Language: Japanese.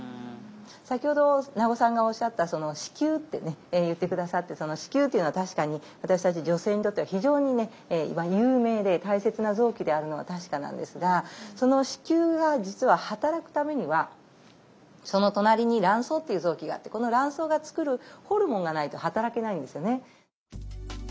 先ほど名護さんがおっしゃった「子宮」ってね言って下さってその子宮というのは確かに私たち女性にとっては非常にね有名で大切な臓器であるのは確かなんですがその子宮が実は働くためにはその隣に卵巣っていう臓器があってこの卵巣が作るホルモンがないと働けないんですよね。